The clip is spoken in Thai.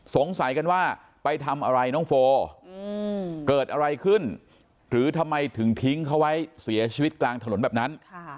สงสัยกันว่าไปทำอะไรน้องโฟเกิดอะไรขึ้นหรือทำไมถึงทิ้งเขาไว้เสียชีวิตกลางถนนแบบนั้น